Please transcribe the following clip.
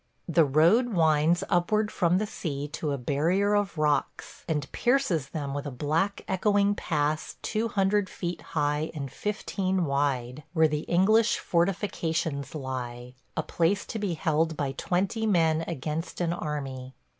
The road winds upward from the sea to a barrier of rocks, and pierces them with a black echoing pass two hundred feet high and fifteen wide, where the English fortifications lie – a place to be held by twenty men against an army.